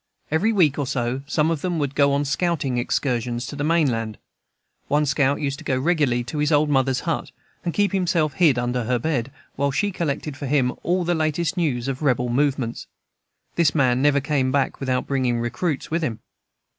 Every week or so some of them would go on scouting excursions to the main land; one scout used to go regularly to his old mother's hut, and keep himself hid under her bed, while she collected for him all the latest news of rebel movements. This man never came back without bringing recruits with him.